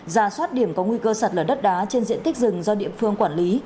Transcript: ra soát điểm có nguy cơ sạt lở đất đá trên diện tích rừng do địa phương quản lý